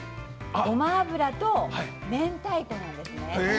ごま油とめんたいこなんですね